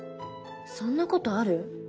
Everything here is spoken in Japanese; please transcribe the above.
そんなことある？